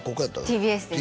ＴＢＳです